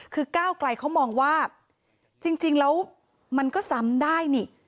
คือก้าวไกลเขามองว่าจริงแล้วมันก็ซ้ำได้นี่